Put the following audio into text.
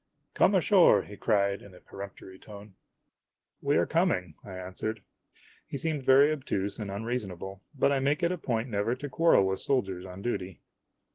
*" Come ashore !" he cried in a peremptory tone. " We are coming," I answered. He seemed very obtuse and un reasonable, but I make it a point never to quarrel with soldiers on duty.